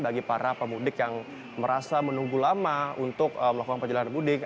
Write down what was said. bagi para pemudik yang merasa menunggu lama untuk melakukan perjalanan mudik